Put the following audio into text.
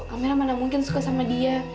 amel mana mungkin suka sama dia